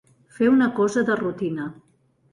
Fer una cosa de rutina.